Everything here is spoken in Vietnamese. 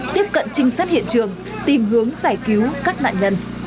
tiếp cận trinh sát hiện trường tìm hướng giải cứu các nạn nhân